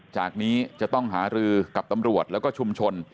จากนี้จะต้องหารือกับตำรวจแล้วก็ชุมชน